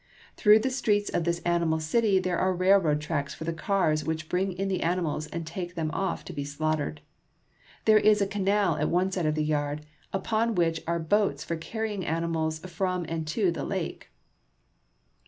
Through the streets of this animal city there are railroad tracks for the cars which bring in the animals and take them off to be slaughtered. There is a canal at one side of the yard, upon which are boats for carrying animals from and to the lake.